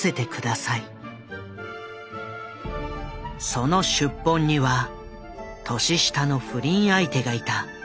その出奔には年下の不倫相手がいた。